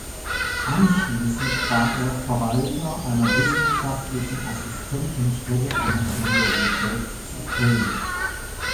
Anschließend war er Verwalter einer Wissenschaftlichen Assistentenstelle an der Universität zu Köln.